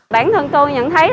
bản thân tôi nhận thấy